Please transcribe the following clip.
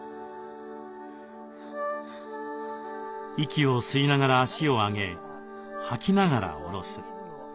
息を吸いながら足を上げ吐きながら下ろす。